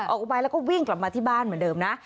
อุบายแล้วก็วิ่งกลับมาที่บ้านเหมือนเดิมนะ